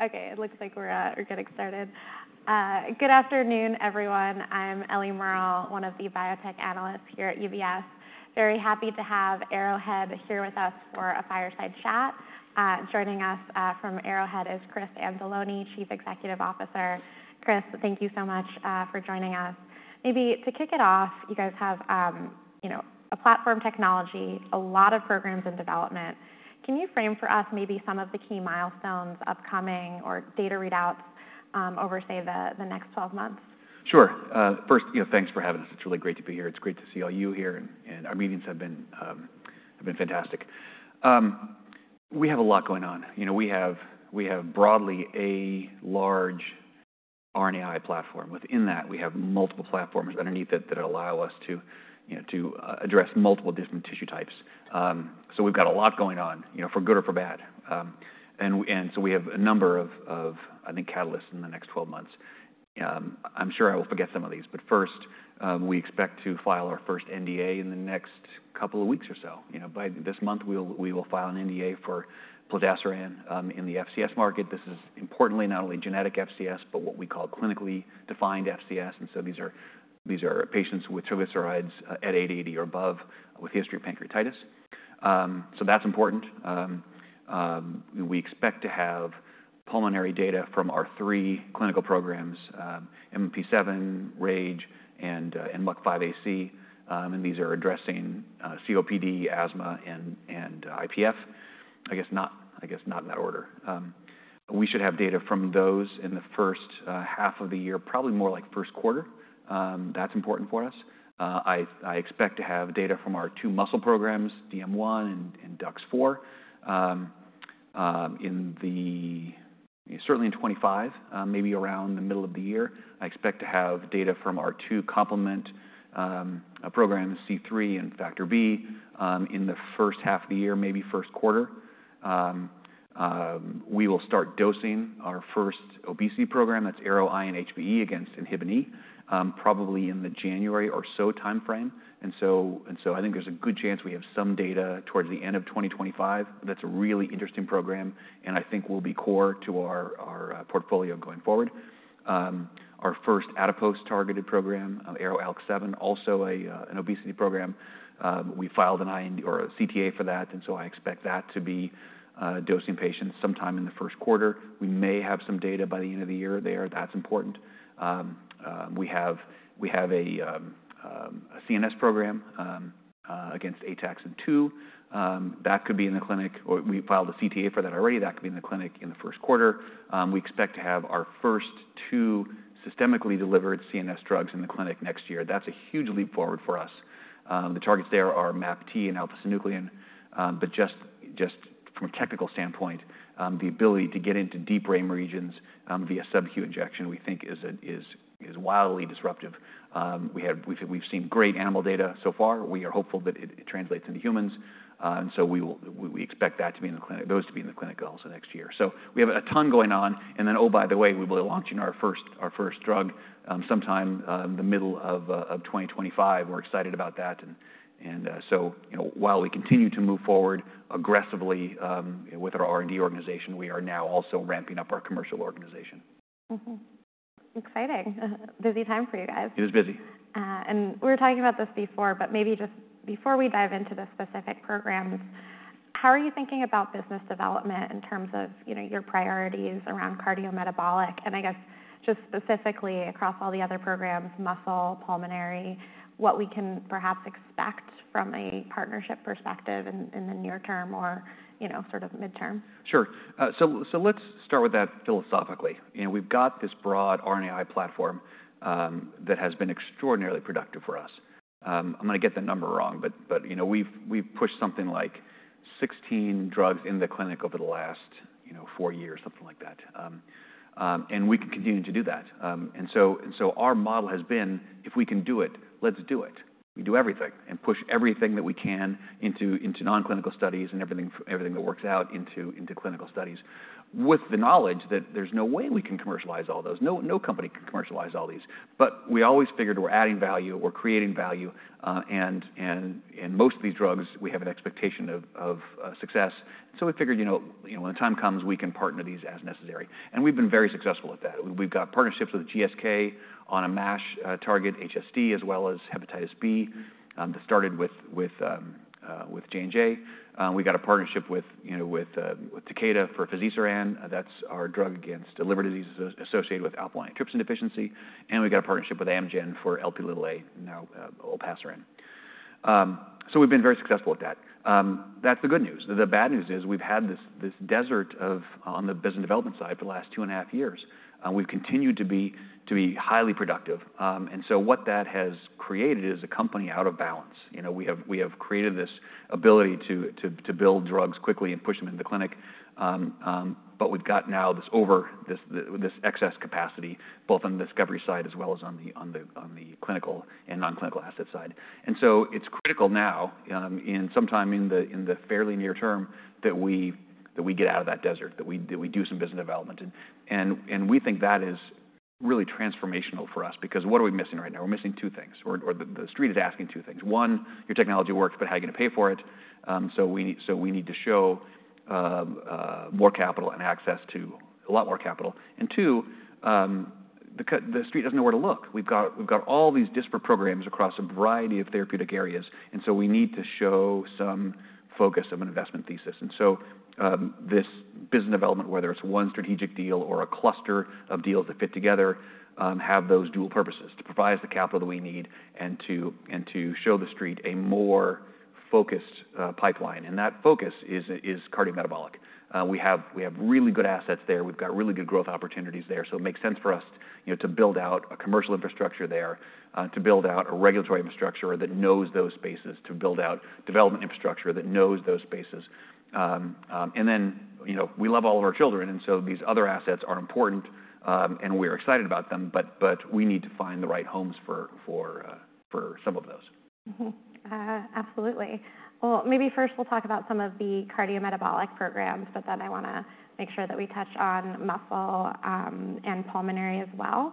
Okay, it looks like we're getting started. Good afternoon, everyone. I'm Ellie Merle, one of the biotech analysts here at UBS. Very happy to have Arrowhead here with us for a fireside chat. Joining us from Arrowhead is Chris Anzalone, Chief Executive Officer. Chris, thank you so much for joining us. Maybe to kick it off, you guys have a platform technology, a lot of programs in development. Can you frame for us maybe some of the key milestones upcoming or data readouts over, say, the next 12 months? Sure. First, thanks for having us. It's really great to be here. It's great to see all you here, and our meetings have been fantastic. We have a lot going on. We have broadly a large RNAi platform. Within that, we have multiple platforms underneath it that allow us to address multiple different tissue types. So we've got a lot going on, for good or for bad. And so we have a number of, I think, catalysts in the next 12 months. I'm sure I will forget some of these, but first, we expect to file our first NDA in the next couple of weeks or so. By this month, we will file an NDA for Plozasiran in the FCS market. This is, importantly, not only genetic FCS, but what we call clinically defined FCS. These are patients with triglycerides at 880 or above with a history of pancreatitis. That's important. We expect to have pulmonary data from our three clinical programs, MMP7, RAGE, and MUC5AC. These are addressing COPD, asthma, and IPF. I guess not in that order. We should have data from those in the first half of the year, probably more like first quarter. That's important for us. I expect to have data from our two muscle programs, DM1 and DUX4, certainly in 2025, maybe around the middle of the year. I expect to have data from our two complement programs, C3 and Factor B, in the first half of the year, maybe first quarter. We will start dosing our first obesity program, that's ARO-INHBE against Inhibin E, probably in the January or so timeframe. And so I think there's a good chance we have some data towards the end of 2025. That's a really interesting program, and I think will be core to our portfolio going forward. Our first adipose-targeted program, ARO-ALK7, also an obesity program. We filed an IND or a CTA for that, and so I expect that to be dosing patients sometime in the first quarter. We may have some data by the end of the year there. That's important. We have a CNS program against Ataxin-2. That could be in the clinic, or we filed a CTA for that already. That could be in the clinic in the first quarter. We expect to have our first two systemically delivered CNS drugs in the clinic next year. That's a huge leap forward for us. The targets there are MAPT and alpha-synuclein. Just from a technical standpoint, the ability to get into deep brain regions via subcutaneous injection, we think, is wildly disruptive. We've seen great animal data so far. We are hopeful that it translates into humans. So we expect that to be in the clinic, those to be in the clinic also next year. We have a ton going on. Then, oh, by the way, we will be launching our first drug sometime in the middle of 2025. We're excited about that. So while we continue to move forward aggressively with our R&D organization, we are now also ramping up our commercial organization. Exciting. Busy time for you guys. It is busy. We were talking about this before, but maybe just before we dive into the specific programs, how are you thinking about business development in terms of your priorities around cardiometabolic? I guess just specifically across all the other programs, muscle, pulmonary, what we can perhaps expect from a partnership perspective in the near term or sort of midterm? Sure, so let's start with that philosophically. We've got this broad RNAi platform that has been extraordinarily productive for us. I'm going to get the number wrong, but we've pushed something like 16 drugs in the clinic over the last four years, something like that, and we can continue to do that, and so our model has been, if we can do it, let's do it. We do everything and push everything that we can into nonclinical studies and everything that works out into clinical studies with the knowledge that there's no way we can commercialize all those. No company can commercialize all these, but we always figured we're adding value, we're creating value, and most of these drugs, we have an expectation of success, and so we figured when the time comes, we can partner these as necessary, and we've been very successful at that. We've got partnerships with GSK on a MASH target, HSD, as well as hepatitis B that started with J&J. We got a partnership with Takeda for fazirsiran. That's our drug against liver disease associated with alpha-1 antitrypsin deficiency. We got a partnership with Amgen for Lp(a)-olpasiran. So we've been very successful at that. That's the good news. The bad news is we've had this desert on the business development side for the last two and a half years. We've continued to be highly productive. What that has created is a company out of balance. We have created this ability to build drugs quickly and push them into the clinic. We've got now this excess capacity, both on the discovery side as well as on the clinical and nonclinical asset side. And so it's critical now, sometime in the fairly near term, that we get out of that desert, that we do some business development. And we think that is really transformational for us because what are we missing right now? We're missing two things. Or the street is asking two things. One, your technology works, but how are you going to pay for it? So we need to show more capital and access to a lot more capital. And two, the street doesn't know where to look. We've got all these disparate programs across a variety of therapeutic areas. And so we need to show some focus of an investment thesis. And so this business development, whether it's one strategic deal or a cluster of deals that fit together, have those dual purposes: to provide us the capital that we need and to show the street a more focused pipeline. And that focus is cardiometabolic. We have really good assets there. We've got really good growth opportunities there. So it makes sense for us to build out a commercial infrastructure there, to build out a regulatory infrastructure that knows those spaces, to build out development infrastructure that knows those spaces. And then we love all of our children, and so these other assets are important, and we're excited about them, but we need to find the right homes for some of those. Absolutely. Well, maybe first we'll talk about some of the cardiometabolic programs, but then I want to make sure that we touch on muscle and pulmonary as well.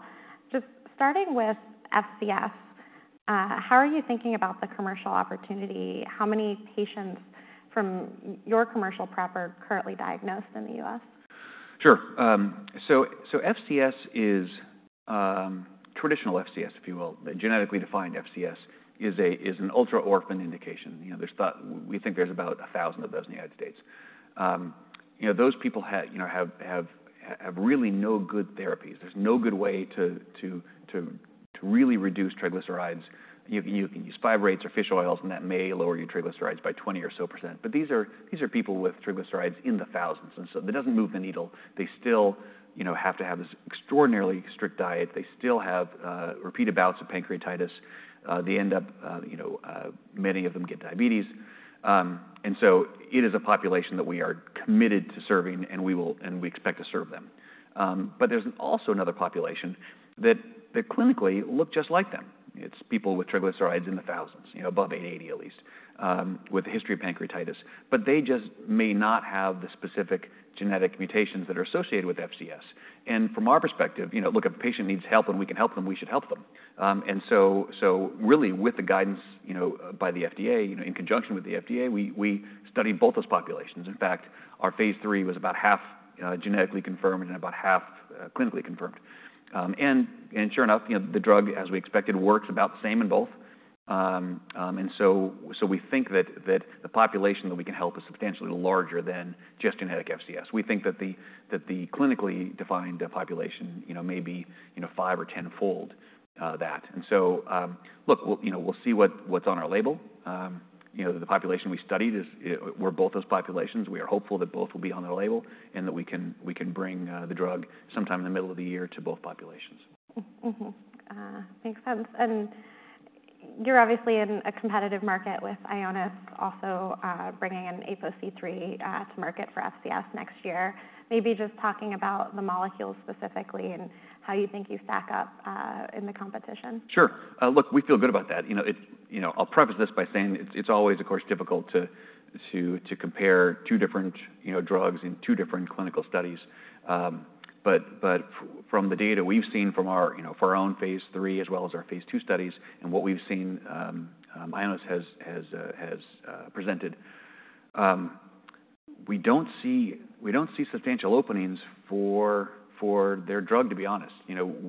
Just starting with FCS, how are you thinking about the commercial opportunity? How many patients from your commercial prep are currently diagnosed in the U.S.? Sure, so FCS is traditional FCS, if you will. Genetically defined FCS is an ultra-orphan indication. We think there's about 1,000 of those in the United States. Those people have really no good therapies. There's no good way to really reduce triglycerides. You can use fibrates or fish oils, and that may lower your triglycerides by 20% or so, but these are people with triglycerides in the thousands, and so that doesn't move the needle. They still have to have this extraordinarily strict diet. They still have repeated bouts of pancreatitis. They end up. Many of them get diabetes, and so it is a population that we are committed to serving, and we expect to serve them, but there's also another population that clinically look just like them. It's people with triglycerides in the thousands, above 880 at least, with a history of pancreatitis. But they just may not have the specific genetic mutations that are associated with FCS. And from our perspective, look, if a patient needs help and we can help them, we should help them. And so really, with the guidance by the FDA, in conjunction with the FDA, we studied both those populations. In fact, our phase III was about half genetically confirmed and about half clinically confirmed. And sure enough, the drug, as we expected, works about the same in both. And so we think that the population that we can help is substantially larger than just genetic FCS. We think that the clinically defined population may be five or tenfold that. And so, look, we'll see what's on our label. The population we studied were both those populations. We are hopeful that both will be on their label and that we can bring the drug sometime in the middle of the year to both populations. Makes sense. And you're obviously in a competitive market with Ionis also bringing an APOC3 to market for FCS next year. Maybe just talking about the molecule specifically and how you think you stack up in the competition. Sure. Look, we feel good about that. I'll preface this by saying it's always, of course, difficult to compare two different drugs in two different clinical studies. But from the data we've seen for our own phase III as well as our phase II studies and what we've seen Ionis has presented, we don't see substantial openings for their drug, to be honest.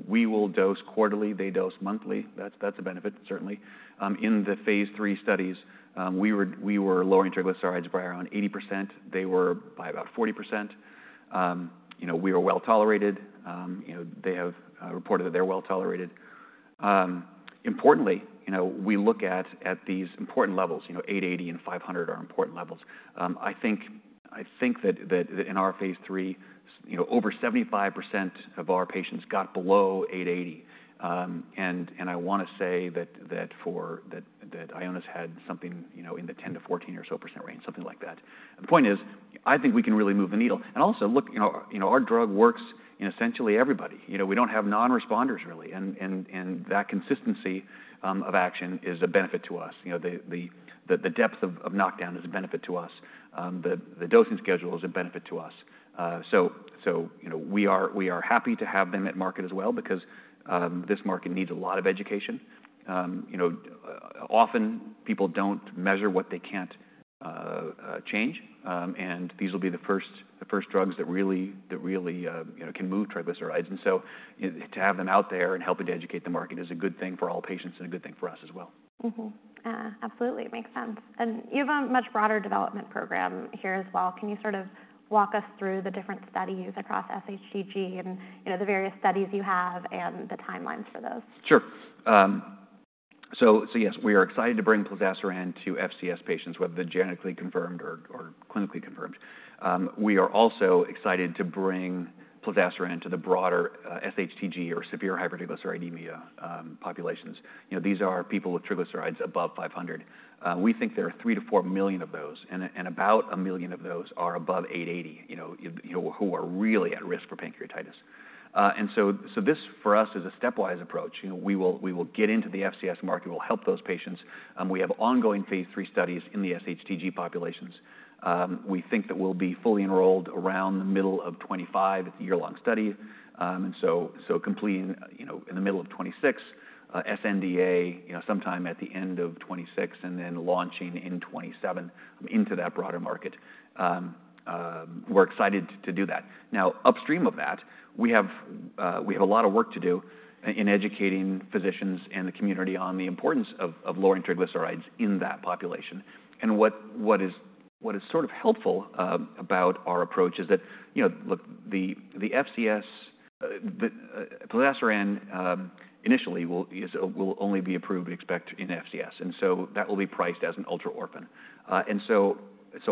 We will dose quarterly. They dose monthly. That's a benefit, certainly. In the phase III studies, we were lowering triglycerides by around 80%. They were by about 40%. We were well tolerated. They have reported that they're well tolerated. Importantly, we look at these important levels. 880 and 500 are important levels. I think that in our phase III, over 75% of our patients got below 880. I want to say that Ionis had something in the 10%-14% or so range, something like that. The point is, I think we can really move the needle. And also, look, our drug works in essentially everybody. We don't have non-responders, really. And that consistency of action is a benefit to us. The depth of knockdown is a benefit to us. The dosing schedule is a benefit to us. So we are happy to have them at market as well because this market needs a lot of education. Often, people don't measure what they can't change. And these will be the first drugs that really can move triglycerides. And so to have them out there and helping to educate the market is a good thing for all patients and a good thing for us as well. Absolutely. Makes sense. And you have a much broader development program here as well. Can you sort of walk us through the different studies across SHTG and the various studies you have and the timelines for those? Sure. So yes, we are excited to bring Plozasiran to FCS patients, whether they're genetically confirmed or clinically confirmed. We are also excited to bring Plozasiran to the broader SHTG or severe hypertriglyceridemia populations. These are people with triglycerides above 500. We think there are 3-4 million of those, and about a million of those are above 880 who are really at risk for pancreatitis. And so this, for us, is a stepwise approach. We will get into the FCS market. We'll help those patients. We have ongoing phase III studies in the SHTG populations. We think that we'll be fully enrolled around the middle of 2025, year-long study. And so completing in the middle of 2026, sNDA sometime at the end of 2026, and then launching in 2027 into that broader market. We're excited to do that. Now, upstream of that, we have a lot of work to do in educating physicians and the community on the importance of lowering triglycerides in that population. And what is sort of helpful about our approach is that, look, the FCS, plozasiran initially will only be approved, we expect, in FCS. And so that will be priced as an ultra-orphan. And so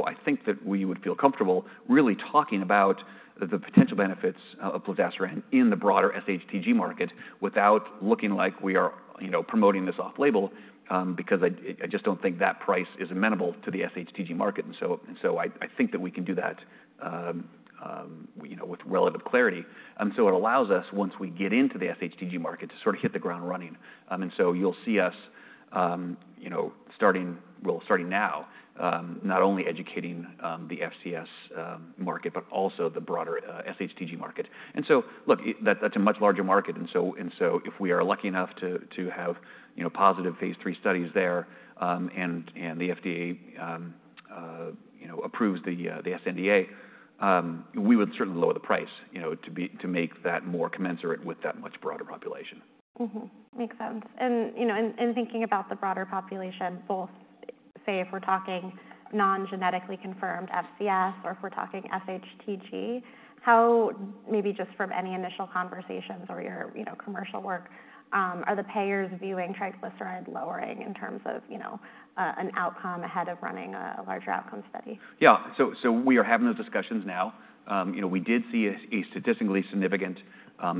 I think that we would feel comfortable really talking about the potential benefits of plozasiran in the broader SHTG market without looking like we are promoting this off-label because I just don't think that price is amenable to the SHTG market. And so I think that we can do that with relative clarity. And so it allows us, once we get into the SHTG market, to sort of hit the ground running. And so you'll see us starting now, not only educating the FCS market, but also the broader SHTG market. And so, look, that's a much larger market. And so if we are lucky enough to have positive phase III studies there and the FDA approves the sNDA, we would certainly lower the price to make that more commensurate with that much broader population. Makes sense and thinking about the broader population, both, say, if we're talking non-genetically confirmed FCS or if we're talking SHTG, how, maybe just from any initial conversations or your commercial work, are the payers viewing triglyceride lowering in terms of an outcome ahead of running a larger outcome study? Yeah, so we are having those discussions now. We did see a statistically significant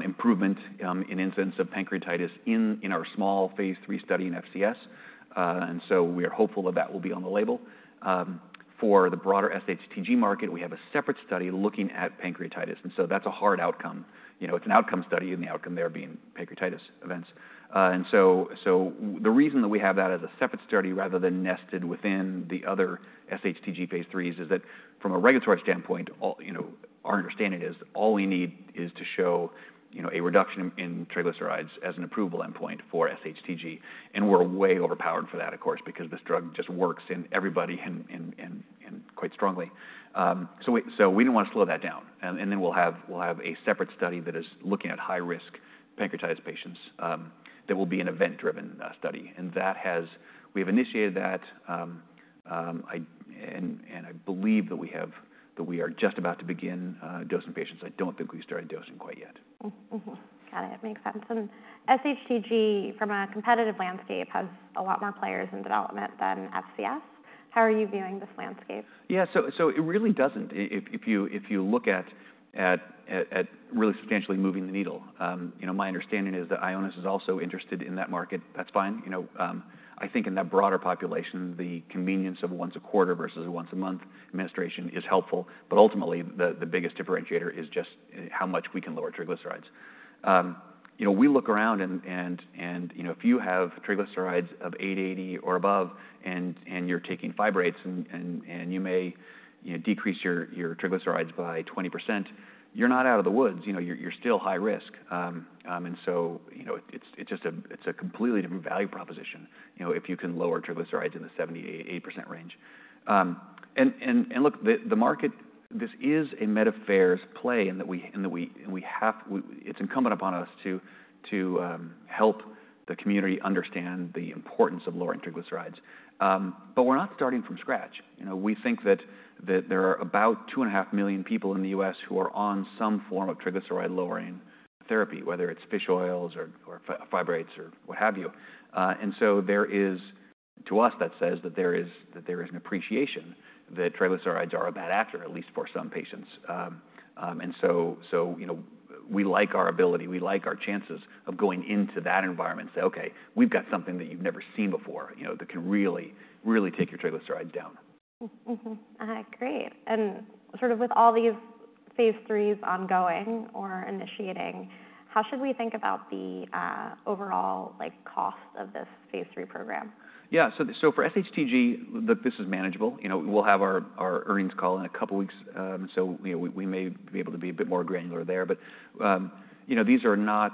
improvement in incidence of pancreatitis in our small phase III study in FCS, and so we are hopeful that that will be on the label. For the broader SHTG market, we have a separate study looking at pancreatitis, and so that's a hard outcome. It's an outcome study and the outcome there being pancreatitis events, and so the reason that we have that as a separate study rather than nested within the other SHTG phase III is that from a regulatory standpoint, our understanding is all we need is to show a reduction in triglycerides as an approval endpoint for SHTG, and we're way overpowered for that, of course, because this drug just works in everybody and quite strongly, so we didn't want to slow that down. We'll have a separate study that is looking at high-risk pancreatitis patients that will be an event-driven study. We have initiated that. I believe that we are just about to begin dosing patients. I don't think we started dosing quite yet. Got it. Makes sense. And SHTG, from a competitive landscape, has a lot more players in development than FCS. How are you viewing this landscape? Yeah. So it really doesn't, if you look at really substantially moving the needle. My understanding is that Ionis is also interested in that market. That's fine. I think in that broader population, the convenience of once a quarter versus once a month administration is helpful. But ultimately, the biggest differentiator is just how much we can lower triglycerides. We look around and if you have triglycerides of 880 or above and you're taking fibrates and you may decrease your triglycerides by 20%, you're not out of the woods. You're still high risk. And so it's a completely different value proposition if you can lower triglycerides in the 78% range. And look, the market, this is a meta affairs play in that it's incumbent upon us to help the community understand the importance of lowering triglycerides. But we're not starting from scratch. We think that there are about 2.5 million people in the U.S. who are on some form of triglyceride-lowering therapy, whether it's fish oils or fibrates or what have you. And so there is, to us, that says that there is an appreciation that triglycerides are a bad actor, at least for some patients. And so we like our ability. We like our chances of going into that environment and say, "Okay, we've got something that you've never seen before that can really, really take your triglycerides down. Great. And sort of with all these phase III ongoing or initiating, how should we think about the overall cost of this phase III program? Yeah. So for SHTG, this is manageable. We'll have our earnings call in a couple of weeks. So we may be able to be a bit more granular there. But these are not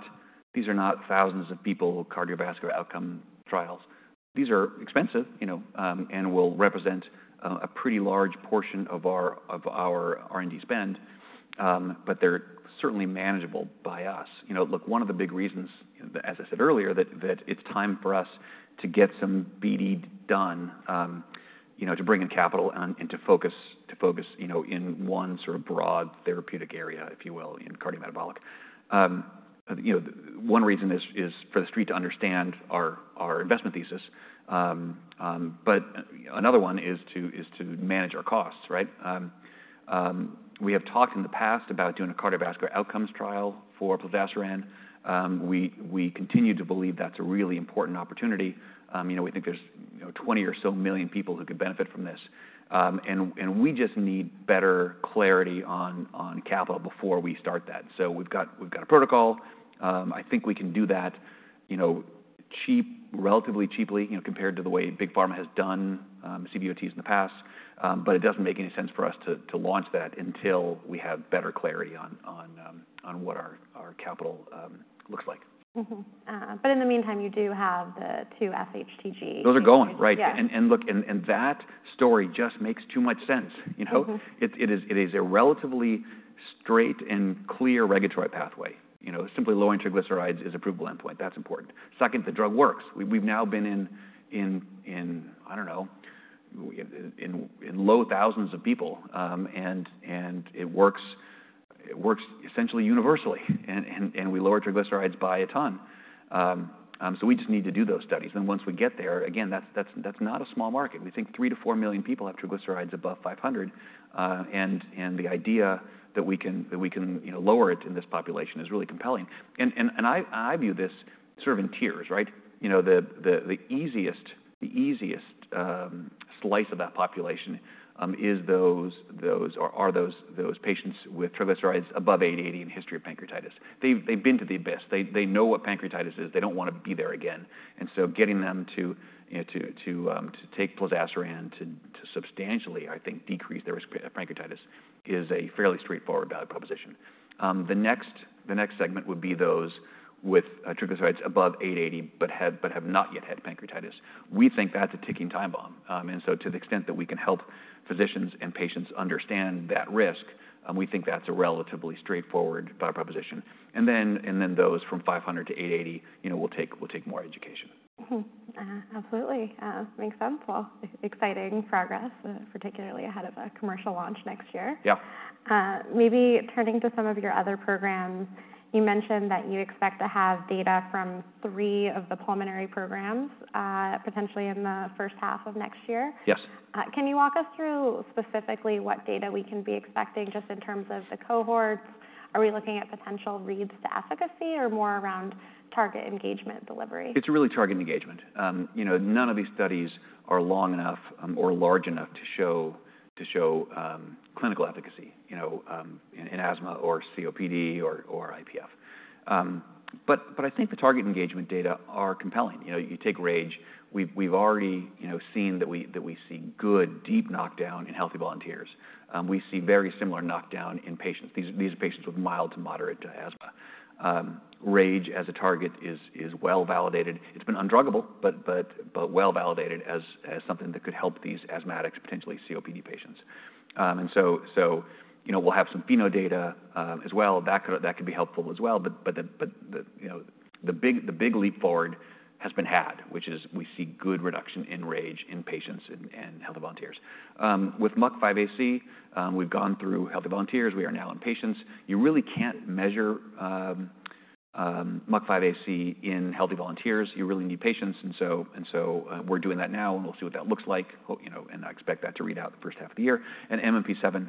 thousands of people, cardiovascular outcome trials. These are expensive and will represent a pretty large portion of our R&D spend. But they're certainly manageable by us. Look, one of the big reasons, as I said earlier, that it's time for us to get some BD done to bring in capital and to focus in one sort of broad therapeutic area, if you will, in cardiometabolic. One reason is for the street to understand our investment thesis. But another one is to manage our costs, right? We have talked in the past about doing a cardiovascular outcomes trial for plozasiran. We continue to believe that's a really important opportunity. We think there's 20 or so million people who could benefit from this, and we just need better clarity on capital before we start that, so we've got a protocol. I think we can do that relatively cheaply compared to the way Big Pharma has done CVOTs in the past, but it doesn't make any sense for us to launch that until we have better clarity on what our capital looks like. But in the meantime, you do have the two SHTGs. Those are going, right? And look, and that story just makes too much sense. It is a relatively straight and clear regulatory pathway. Simply lowering triglycerides is an approval endpoint. That's important. Second, the drug works. We've now been in, I don't know, in low thousands of people. And it works essentially universally. And we lower triglycerides by a ton. So we just need to do those studies. And once we get there, again, that's not a small market. We think 3-4 million people have triglycerides above 500. And the idea that we can lower it in this population is really compelling. And I view this sort of in tiers, right? The easiest slice of that population are those patients with triglycerides above 880 and history of pancreatitis. They've been to the abyss. They know what pancreatitis is. They don't want to be there again. And so getting them to take plozasiran to substantially, I think, decrease their risk of pancreatitis is a fairly straightforward value proposition. The next segment would be those with triglycerides above 880 but have not yet had pancreatitis. We think that's a ticking time bomb. And so to the extent that we can help physicians and patients understand that risk, we think that's a relatively straightforward value proposition. And then those from 500 to 880 will take more education. Absolutely. Makes sense. Well, exciting progress, particularly ahead of a commercial launch next year. Yeah. Maybe turning to some of your other programs, you mentioned that you expect to have data from three of the pulmonary programs potentially in the first half of next year. Yes. Can you walk us through specifically what data we can be expecting just in terms of the cohorts? Are we looking at potential reads to efficacy or more around target engagement delivery? It's really target engagement. None of these studies are long enough or large enough to show clinical efficacy in asthma or COPD or IPF. But I think the target engagement data are compelling. You take RAGE. We've already seen that we see good, deep knockdown in healthy volunteers. We see very similar knockdown in patients. These are patients with mild to moderate asthma. RAGE as a target is well validated. It's been undruggable, but well validated as something that could help these asthmatics, potentially COPD patients. And so we'll have some pheno data as well. That could be helpful as well. But the big leap forward has been had, which is we see good reduction in RAGE in patients and healthy volunteers. With MUC5AC, we've gone through healthy volunteers. We are now in patients. You really can't measure MUC5AC in healthy volunteers. You really need patients. And so we're doing that now, and we'll see what that looks like. And I expect that to read out the first half of the year. And MMP7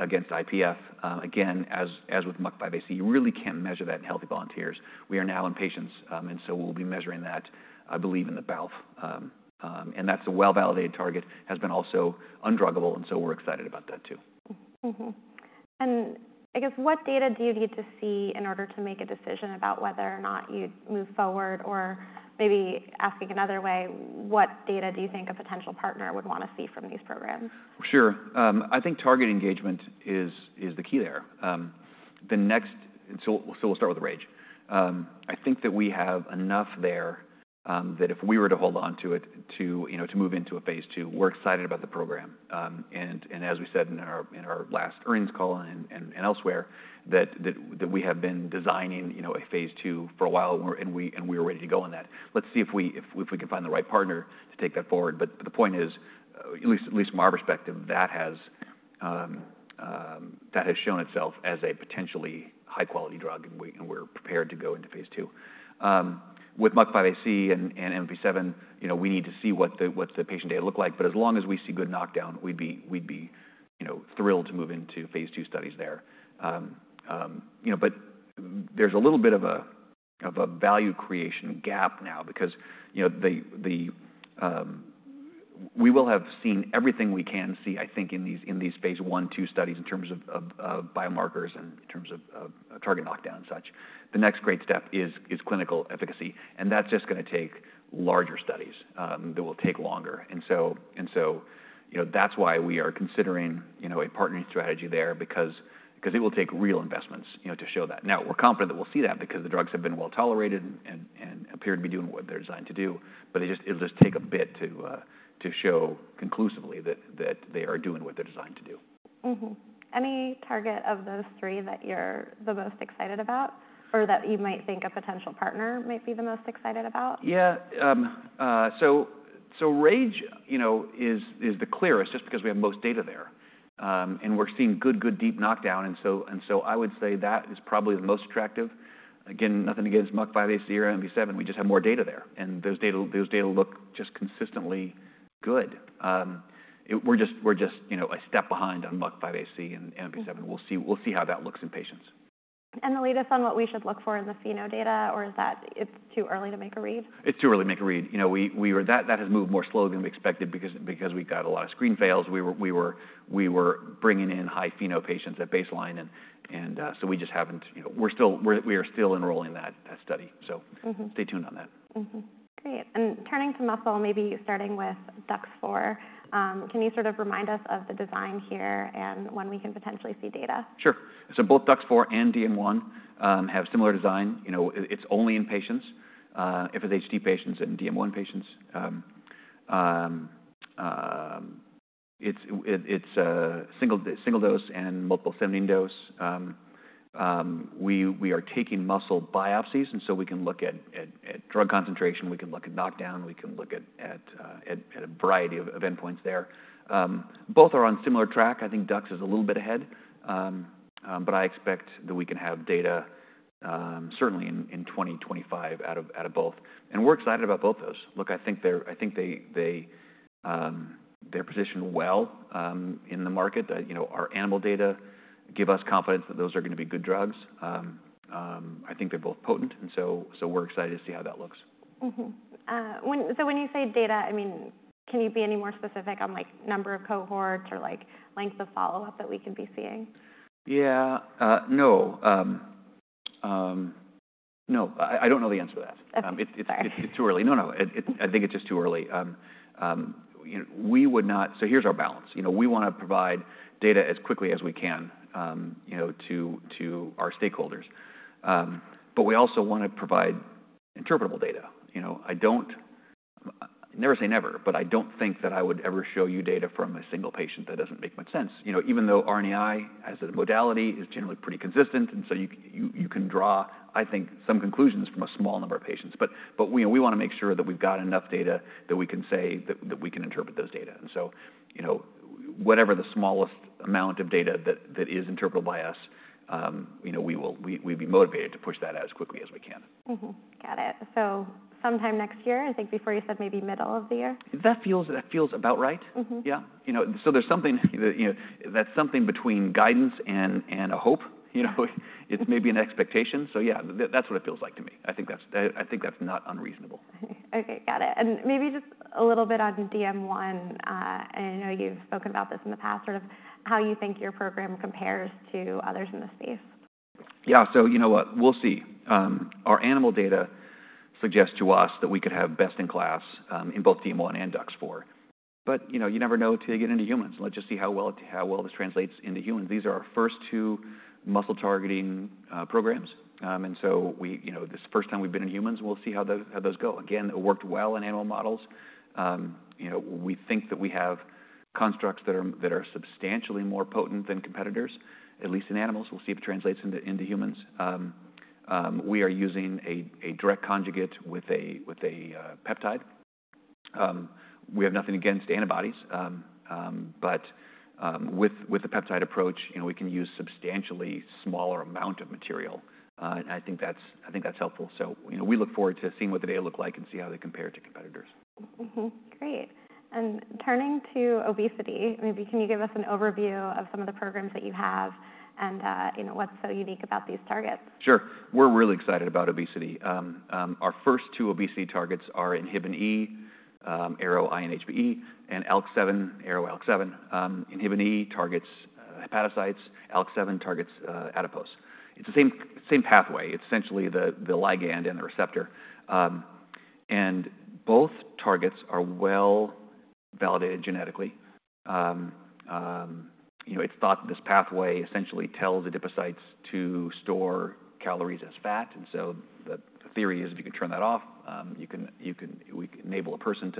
against IPF, again, as with MUC5AC, you really can't measure that in healthy volunteers. We are now in patients. And so we'll be measuring that, I believe, in the trial. And that's a well-validated target, has been also undruggable. And so we're excited about that too. I guess what data do you need to see in order to make a decision about whether or not you'd move forward? Or maybe asking another way, what data do you think a potential partner would want to see from these programs? Sure. I think target engagement is the key there. So we'll start with RAGE. I think that we have enough there that if we were to hold on to it to move into a phase 2, we're excited about the program. And as we said in our last earnings call and elsewhere, that we have been designing a phase II for a while, and we are ready to go on that. Let's see if we can find the right partner to take that forward. But the point is, at least from our perspective, that has shown itself as a potentially high-quality drug, and we're prepared to go into phase II. With MUC5AC and MMP7, we need to see what the patient data look like. But as long as we see good knockdown, we'd be thrilled to move into phase II studies there. But there's a little bit of a value creation gap now because we will have seen everything we can see, I think, in these phase I, two studies in terms of biomarkers and in terms of target knockdown and such. The next great step is clinical efficacy. And that's just going to take larger studies. It will take longer. And so that's why we are considering a partnering strategy there because it will take real investments to show that. Now, we're confident that we'll see that because the drugs have been well tolerated and appear to be doing what they're designed to do. But it'll just take a bit to show conclusively that they are doing what they're designed to do. Any target of those three that you're the most excited about or that you might think a potential partner might be the most excited about? Yeah. So RAGE is the clearest just because we have most data there. And we're seeing good, good, deep knockdown. And so I would say that is probably the most attractive. Again, nothing against MUC5AC or MMP7. We just have more data there. And those data look just consistently good. We're just a step behind on MUC5AC and MMP7. We'll see how that looks in patients. And the latest on what we should look for in the pheno data, or is that it's too early to make a read? It's too early to make a read. That has moved more slowly than we expected because we've got a lot of screen fails. We were bringing in high pheno patients at baseline, and so we just haven't. We are still enrolling that study, so stay tuned on that. Great. And turning to muscle, maybe starting with DUX4, can you sort of remind us of the design here and when we can potentially see data? Sure. So both DUX4 and DM1 have similar design. It's only in patients, FSHD patients and DM1 patients. It's single dose and multiple dose. We are taking muscle biopsies. And so we can look at drug concentration. We can look at knockdown. We can look at a variety of endpoints there. Both are on similar track. I think DUX is a little bit ahead. But I expect that we can have data certainly in 2025 out of both. And we're excited about both those. Look, I think they're positioned well in the market. Our animal data give us confidence that those are going to be good drugs. I think they're both potent. And so we're excited to see how that looks. So when you say data, I mean, can you be any more specific on number of cohorts or length of follow-up that we could be seeing? Yeah. No. No. I don't know the answer to that. That's fine. It's too early. No, no. I think it's just too early. So here's our balance. We want to provide data as quickly as we can to our stakeholders. But we also want to provide interpretable data. I don't never say never, but I don't think that I would ever show you data from a single patient that doesn't make much sense. Even though RNAi as a modality is generally pretty consistent, and so you can draw, I think, some conclusions from a small number of patients. But we want to make sure that we've got enough data that we can say that we can interpret those data. And so whatever the smallest amount of data that is interpretable by us, we'd be motivated to push that as quickly as we can. Got it. So sometime next year, I think before you said maybe middle of the year? That feels about right. Yeah. So that's something between guidance and a hope. It's maybe an expectation. So yeah, that's what it feels like to me. I think that's not unreasonable. Okay. Got it. And maybe just a little bit on DM1. And I know you've spoken about this in the past, sort of how you think your program compares to others in the space. Yeah. So you know what? We'll see. Our animal data suggests to us that we could have best in class in both DM1 and DUX4. But you never know until you get into humans. Let's just see how well this translates into humans. These are our first two muscle targeting programs. And so this is the first time we've been in humans. We'll see how those go. Again, it worked well in animal models. We think that we have constructs that are substantially more potent than competitors, at least in animals. We'll see if it translates into humans. We are using a direct conjugate with a peptide. We have nothing against antibodies. But with the peptide approach, we can use substantially smaller amount of material. And I think that's helpful. So we look forward to seeing what the data look like and see how they compare to competitors. Great. And turning to obesity, maybe can you give us an overview of some of the programs that you have and what's so unique about these targets? Sure. We're really excited about obesity. Our first two obesity targets are Inhibin E, ARO-INHBE, and ALK7, ARO-ALK7. Inhibin E targets hepatocytes. ALK7 targets adipose. It's the same pathway. It's essentially the ligand and the receptor. And both targets are well validated genetically. It's thought that this pathway essentially tells adipocytes to store calories as fat. And so the theory is if you can turn that off, we can enable a person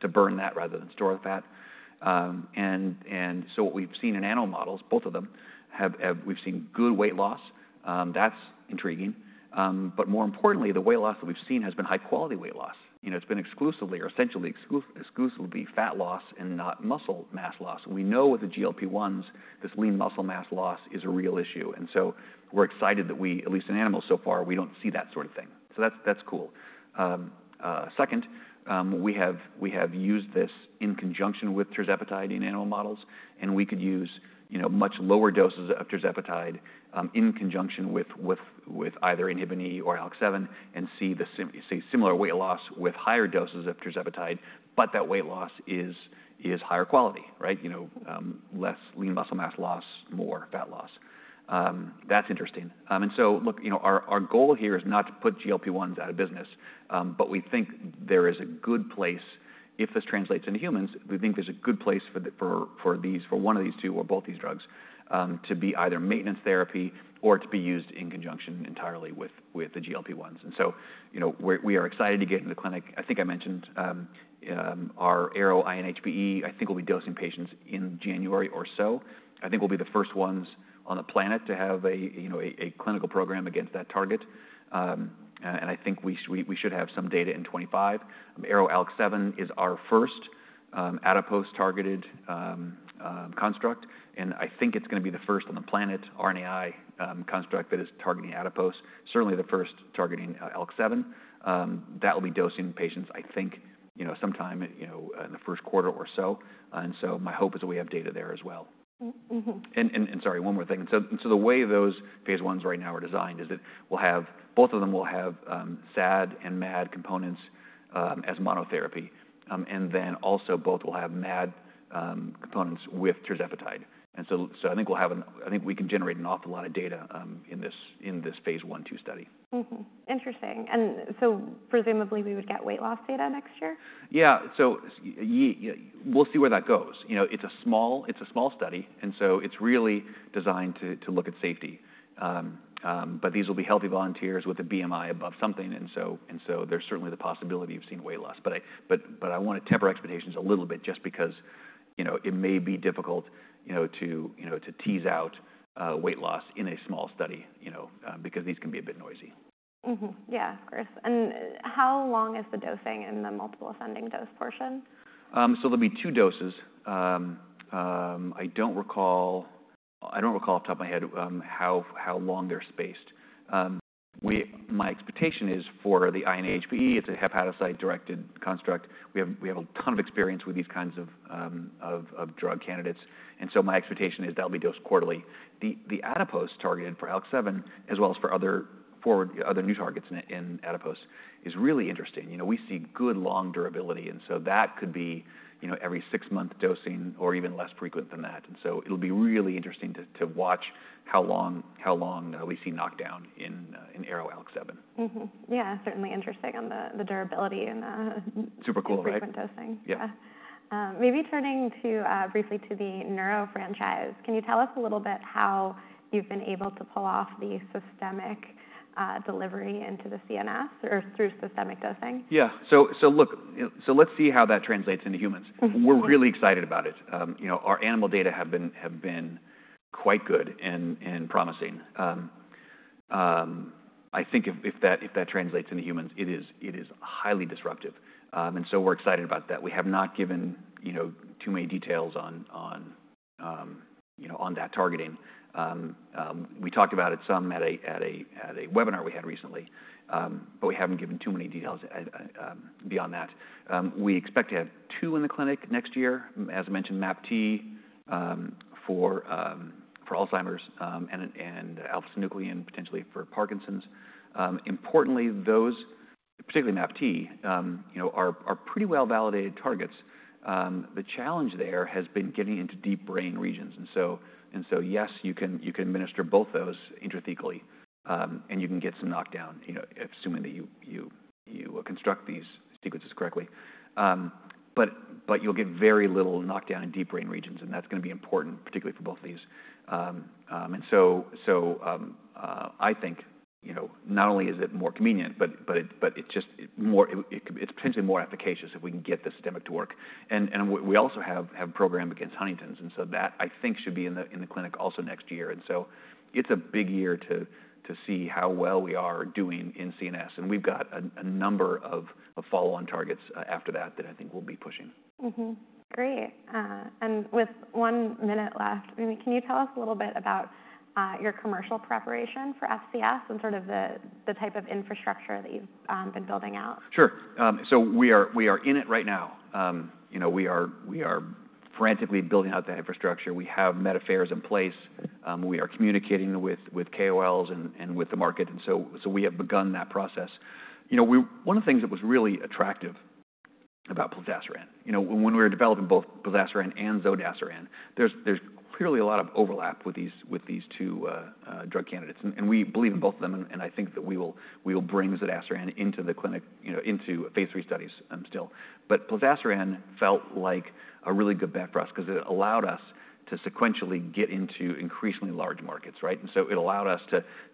to burn that rather than store the fat. And so what we've seen in animal models, both of them, we've seen good weight loss. That's intriguing. But more importantly, the weight loss that we've seen has been high-quality weight loss. It's been exclusively or essentially exclusively fat loss and not muscle mass loss. We know with the GLP-1s, this lean muscle mass loss is a real issue. And so we're excited that we, at least in animals so far, we don't see that sort of thing. So that's cool. Second, we have used this in conjunction with Tirzepatide in animal models. And we could use much lower doses of Tirzepatide in conjunction with either Inhibin E or ALK7 and see similar weight loss with higher doses of Tirzepatide, but that weight loss is higher quality, right? Less lean muscle mass loss, more fat loss. That's interesting. And so look, our goal here is not to put GLP-1s out of business. But we think there is a good place if this translates into humans. We think there's a good place for one of these two or both these drugs to be either maintenance therapy or to be used in conjunction entirely with the GLP-1s. And so we are excited to get into the clinic. I think I mentioned our ARO-INHBE. I think we'll be dosing patients in January or so. I think we'll be the first ones on the planet to have a clinical program against that target. And I think we should have some data in 2025. ARO-ALK7 is our first adipose-targeted construct. And I think it's going to be the first on the planet RNAi construct that is targeting adipose, certainly the first targeting ALK7. That will be dosing patients, I think, sometime in the first quarter or so. And so my hope is that we have data there as well. And sorry, one more thing. And so the way those phase I right now are designed is that both of them will have SAD and MAD components as monotherapy. And then also both will have MAD components with Tirzepatide. I think we can generate an awful lot of data in this phase I, II study. Interesting. And so presumably we would get weight loss data next year? Yeah. So we'll see where that goes. It's a small study, and so it's really designed to look at safety, but these will be healthy volunteers with a BMI above something, and so there's certainly the possibility of seeing weight loss, but I want to temper expectations a little bit just because it may be difficult to tease out weight loss in a small study because these can be a bit noisy. Yeah, of course. And how long is the dosing in the multiple ascending dose portion? So there'll be two doses. I don't recall off the top of my head how long they're spaced. My expectation is for the INHBE; it's a hepatocyte-directed construct. We have a ton of experience with these kinds of drug candidates. And so my expectation is that'll be dosed quarterly. The adipose targeted for ALK7, as well as for other new targets in adipose, is really interesting. We see good long durability. And so that could be every six-month dosing or even less frequent than that. And so it'll be really interesting to watch how long we see knockdown in ARO-ALK7. Yeah, certainly interesting on the durability and the frequent dosing. Super cool, right? Yeah. Maybe turning briefly to the neuro franchise, can you tell us a little bit how you've been able to pull off the systemic delivery into the CNS or through systemic dosing? Yeah. So look, so let's see how that translates into humans. We're really excited about it. Our animal data have been quite good and promising. I think if that translates into humans, it is highly disruptive. And so we're excited about that. We have not given too many details on that targeting. We talked about it some at a webinar we had recently, but we haven't given too many details beyond that. We expect to have two in the clinic next year, as I mentioned, MAPT for Alzheimer's and alpha-synuclein potentially for Parkinson's. Importantly, those, particularly MAPT, are pretty well-validated targets. The challenge there has been getting into deep brain regions. And so yes, you can administer both those intrathecally, and you can get some knockdown, assuming that you construct these sequences correctly. But you'll get very little knockdown in deep brain regions. And that's going to be important, particularly for both of these. And so I think not only is it more convenient, but it's potentially more efficacious if we can get the systemic to work. And we also have a program against Huntington's. And so that, I think, should be in the clinic also next year. And so it's a big year to see how well we are doing in CNS. And we've got a number of follow-on targets after that that I think we'll be pushing. Great. And with one minute left, can you tell us a little bit about your commercial preparation for FCS and sort of the type of infrastructure that you've been building out? Sure. So we are in it right now. We are frantically building out that infrastructure. We have metrics in place. We are communicating with KOLs and with the market. And so we have begun that process. One of the things that was really attractive about plozasiran, when we were developing both plozasiran and zodasiran, there's clearly a lot of overlap with these two drug candidates. And we believe in both of them. And I think that we will bring zodasiran into the clinic, into phase III studies still. But plozasiran felt like a really good bet for us because it allowed us to sequentially get into increasingly large markets, right? And so it allowed us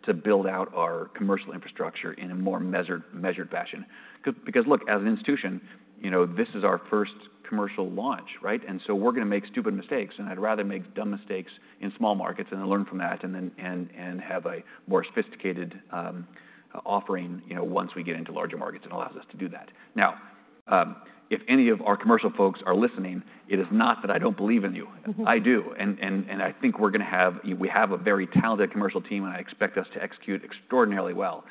to build out our commercial infrastructure in a more measured fashion. Because look, as an institution, this is our first commercial launch, right? And so we're going to make stupid mistakes. And I'd rather make dumb mistakes in small markets and then learn from that and have a more sophisticated offering once we get into larger markets. It allows us to do that. Now, if any of our commercial folks are listening, it is not that I don't believe in you. I do. And I think we're going to have a very talented commercial team. And I expect us to execute extraordinarily well.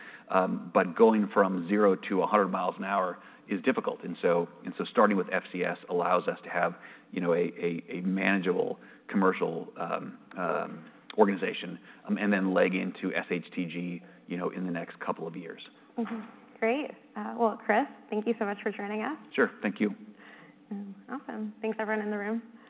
But going from 0 to 100 miles an hour is difficult. And so starting with FCS allows us to have a manageable commercial organization and then leg into SHTG in the next couple of years. Great. Well, Chris, thank you so much for joining us. Sure. Thank you. Awesome. Thanks, everyone in the room.